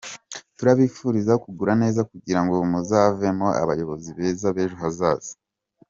Turabifuriza gukura neza kugira ngo muzavemo abayobozi beza b’ejo hazaza.